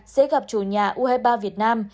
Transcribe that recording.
sẽ gặp chủ nhà ue ba việt nam